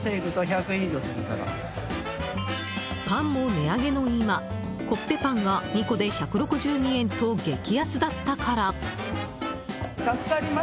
パンも値上げの今コッペパンが２個で１６２円と激安だったから。